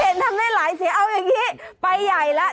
เห็นทำได้หลายเสียเอาอย่างนี้ไปใหญ่แล้ว